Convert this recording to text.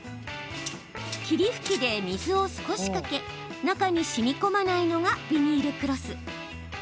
霧吹きで水を少しかけ中にしみこまないのがビニールクロス。